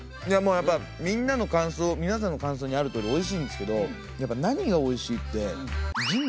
やっぱみんなの感想皆さんの感想にあるとおりおいしいんですけどやっぱ。